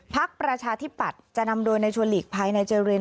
พักประชาธิปัตย์จะนำโดยนายชัวร์หลีกภายในเจริญ